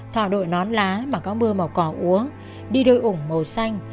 trên đồi thanh niên của gia đình